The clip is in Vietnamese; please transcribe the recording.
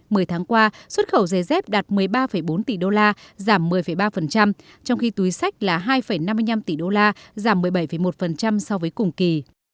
mười tháng qua xuất khẩu dây dép đạt một mươi ba bốn tỷ đô la giảm một mươi ba trong khi túi sách là hai năm mươi năm tỷ đô la giảm một mươi bảy một so với cùng kỳ